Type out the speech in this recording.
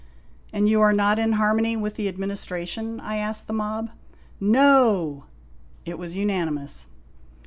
"And you are not in harmony with the Administration?" I asked the mob. " No !" It was unanimous.